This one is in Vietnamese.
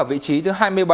vị trí thứ hai mươi bảy